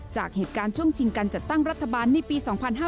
จากเหตุการณ์ช่วงชิงการจัดตั้งรัฐบาลในปี๒๕๕๙